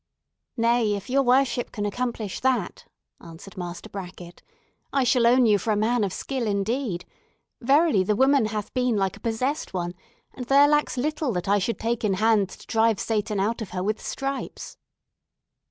"Nay, if your worship can accomplish that," answered Master Brackett, "I shall own you for a man of skill, indeed! Verily, the woman hath been like a possessed one; and there lacks little that I should take in hand, to drive Satan out of her with stripes."